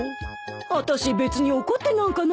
あたし別に怒ってなんかないわよ。